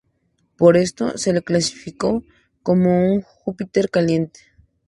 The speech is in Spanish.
Por esto, se lo clasifica como un Júpiter caliente.